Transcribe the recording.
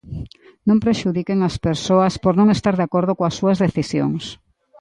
Non prexudiquen as persoas por non estar de acordo coas súas decisións.